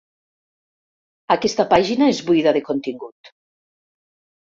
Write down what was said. Aquesta pàgina és buida de contingut.